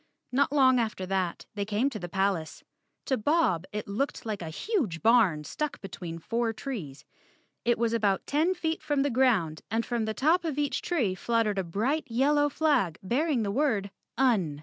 Not long after that they came to the palace. To Bob it looked like a huge barn stuck between four trees. It was about ten feet from the ground and from the top of each tree fluttered a bright yellow flag bearing the word, UN.